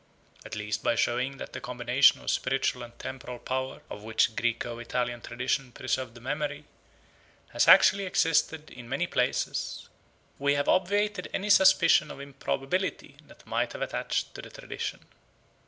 At least by showing that the combination of spiritual and temporal power, of which Graeco Italian tradition preserved the memory, has actually existed in many places, we have obviated any suspicion of improbability that might have attached to the tradition.